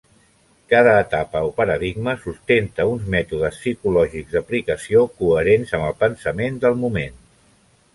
Cada etapa o paradigma sustenta uns mètodes psicològics d’aplicació coherents amb el pensament del moment.